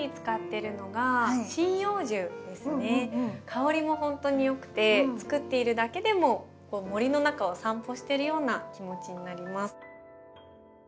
香りもほんとによくて作っているだけでも森の中を散歩してるような気持ちになります。